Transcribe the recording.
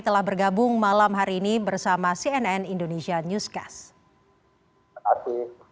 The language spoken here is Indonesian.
sampai jumpa lagi bersama cnn indonesia newscast